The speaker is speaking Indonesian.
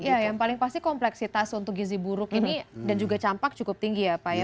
iya yang paling pasti kompleksitas untuk gizi buruk ini dan juga campak cukup tinggi ya pak ya